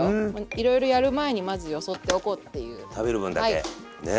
いろいろやる前にまずよそっておこうっていう食べる分だけね。